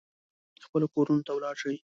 خپلو کورونو ته ولاړ شي.